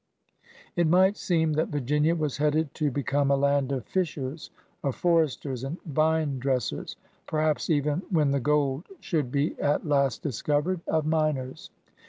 It might seem that Virginia was headed to be come a land of fishers, of foresters, and vine dress ers, perhaps even, when the gold should be at last discovered, of miners.